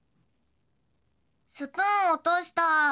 スプーンを落としたー。